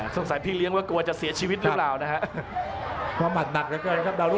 สงสัยพี่เลี้ยงว่ากลัวจะเสียชีวิตหรือเปล่านะครับ